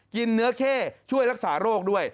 เนื้อเข้ช่วยรักษาโรคด้วย